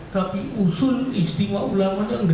tapi usul istimewa ulama itu tidak ditunggu tunggu